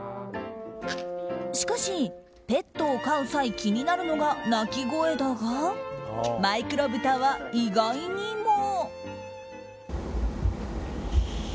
しかし、ペットを飼う際気になるのが鳴き声だがマイクロブタは意外にも。